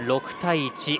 ６対１